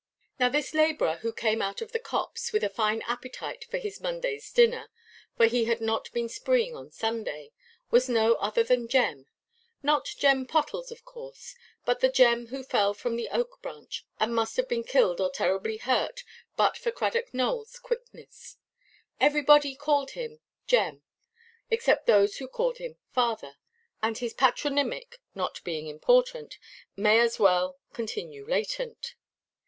Now this labourer who came out of the copse, with a fine appetite for his Mondayʼs dinner (for he had not been "spreeing" on Sunday), was no other than Jem—not Jem Pottles, of course, but the Jem who fell from the oak–branch, and must have been killed or terribly hurt but for Cradock Nowellʼs quickness. Everybody called him "Jem," except those who called him "father;" and his patronymic, not being important, may as well continue latent.